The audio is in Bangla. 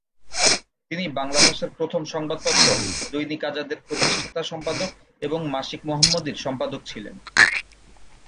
তিনি বাংলা ভাষার প্রথম সংবাদপত্র দৈনিক আজাদের প্রতিষ্ঠাতা সম্পাদক এবং মাসিক "মোহাম্মদী"র সম্পাদক ছিলেন।